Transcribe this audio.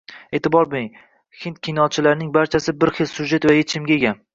E`tibor bering, hind kinolarining barchasi bir xil syujet va echimga ega